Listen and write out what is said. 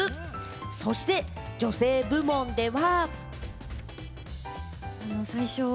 そして女性部門では。